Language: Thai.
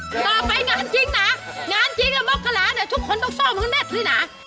ต่อไปงานจริงนะงานจริงอ่ะบ๊อกคลาทุกคนต้องซ่อมมันแน่นี่น่ะ